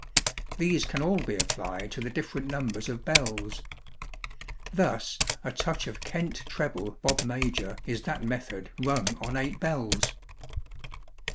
These can all be applied to the different numbers of bells. Thus a touch of Kent Treble Bob Major is that method rung on eight bells.